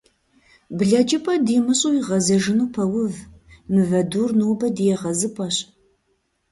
Блэкӏыпӏэ димыщӏу игъэзэжыну пэув, мывэ дур нобэ ди егъэзыпӏэщ.